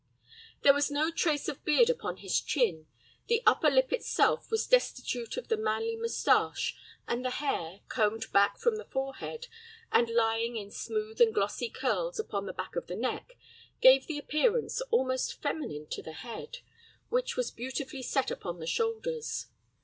There was no trace of beard upon the chin. The upper lip itself was destitute of the manly mustache, and the hair, combed back from the forehead, and lying in smooth and glossy curls upon the back of the neck, gave an appearance almost feminine to the head, which was beautifully set upon the shoulders.